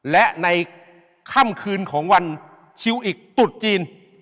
และในค่ำคืนของวันชิวอิกตุดจีน